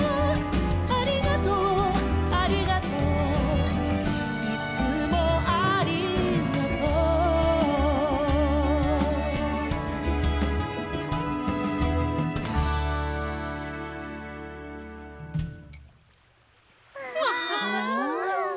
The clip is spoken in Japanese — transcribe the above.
「ありがとうありがとう」「いつもありがとう」わ！